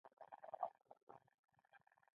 ټول فارسي کتابونه وو.